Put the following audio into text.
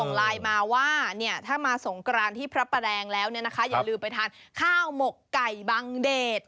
กลายมาว่าถ้ามาสงกรานที่พระประแรงแล้วอย่าลืมไปทานข้าวหมกไก่บังเดช